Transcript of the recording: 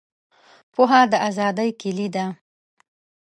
پوهه د آزادۍ کیلي ده.